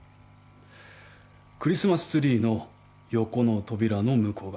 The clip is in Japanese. クリスマスツリーの横の扉の向こう側。